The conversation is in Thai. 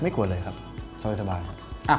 กลัวเลยครับสบายครับ